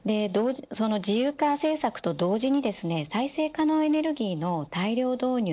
自由化政策と同時に再生可能エネルギーの大量導入